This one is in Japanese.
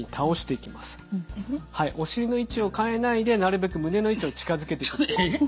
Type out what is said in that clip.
はいお尻の位置を変えないでなるべく胸の位置を近づけていただきます。